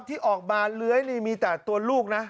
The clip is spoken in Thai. ที่ออกมาเลื้อยนี่มีแต่ตัวลูกนะ